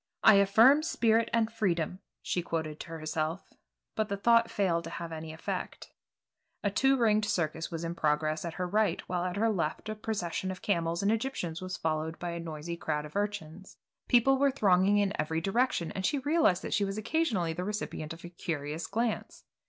I affirm spirit and freedom," she quoted to herself, but the thought failed to have any effect. A two ringed circus was in progress at her right while at her left a procession of camels and Egyptians was followed by a noisy crowd of urchins. People were thronging in every direction, and she realized that she was occasionally the recipient of a curious glance.